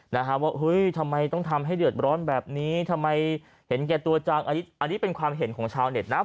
นะฮะว่าเฮ้ยทำไมต้องทำให้เดือดร้อนแบบนี้ทำไมเห็นแก่ตัวจังอันนี้อันนี้เป็นความเห็นของชาวเน็ตนะ